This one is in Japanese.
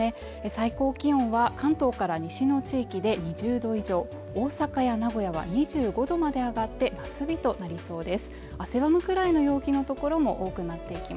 最高気温は関東から西の地域で２０度以上、大阪や名古屋は２５℃まで上がって、夏日となりそうです。